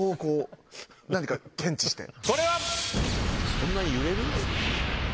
そんなに揺れる？